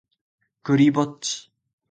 クリぼっち